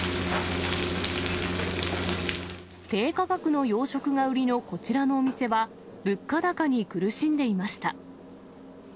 低価格の洋食が売りのこちらのお店は、物価高に苦しんでいました。